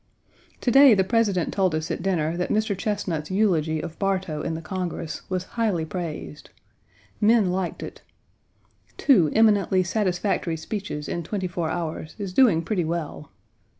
To day, the President told us at dinner that Mr. Chesnut's eulogy of Bartow in the Congress was highly praised. Men liked it. Two eminently satisfactory speeches in twenty four hours is doing pretty well.